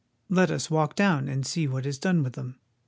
Let us walk down and see what is done with them.